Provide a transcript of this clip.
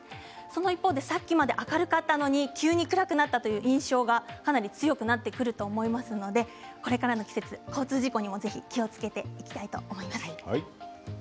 その一方でさっきまで明るかったのに急に暗くなったという印象がかなり強くなってくると思いますのでこれからの季節交通事故にもぜひ気をつけていただきたいと思います。